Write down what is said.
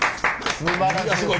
すばらしい。